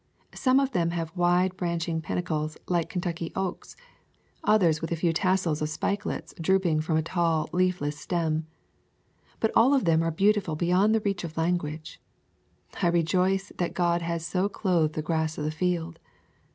Some of them have wide branching panicles like Kentucky oaks, others with a few tassels of spikelets drooping from a tall, leafless stem. But all of them are beautiful beyond the reach of language. I re joice that God has "so clothed the grass of the field.""